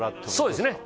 そうですね。